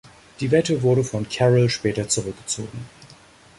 Die Wette wurde von Carrell später zurückgezogen.